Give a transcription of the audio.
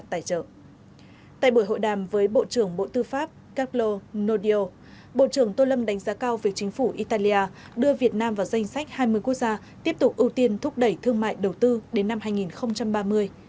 tại buổi hội đàm với bộ trưởng bộ tư pháp carlo nodio bộ trưởng tô lâm đánh giá cao việc chính phủ italia đưa việt nam vào danh sách hai mươi quốc gia tiếp tục ưu tiên thúc đẩy thương mại đầu tư đến năm hai nghìn ba mươi